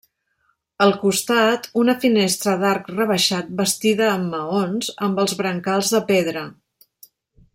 Al costat, una finestra d'arc rebaixat bastida amb maons, amb els brancals de pedra.